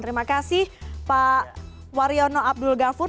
terima kasih pak waryono abdul gafur